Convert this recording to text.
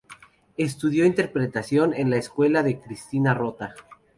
Estudió interpretación en la escuela de Cristina Rota.